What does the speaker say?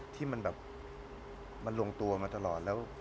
ที่มันลงตัวมาตลอด